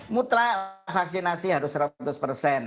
mutlak vaksinasi harus seratus persen